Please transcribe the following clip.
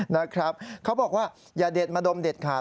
นะครับเขาบอกว่าอย่าเด็ดมาดมเด็ดขาด